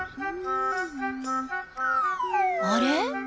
あれ？